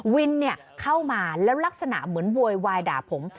เข้ามาแล้วลักษณะเหมือนโวยวายด่าผม